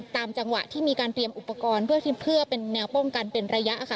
จังหวะที่มีการเตรียมอุปกรณ์เพื่อเป็นแนวป้องกันเป็นระยะค่ะ